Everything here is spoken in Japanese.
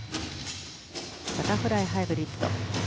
バタフライハイブリッド。